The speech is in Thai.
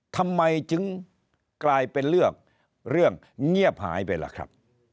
ทำไมจึงกลายเป็นเรื่องเรื่องเงียบหายไปล่ะครับ